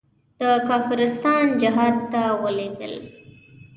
د کافرستان جهاد ته ولېږل.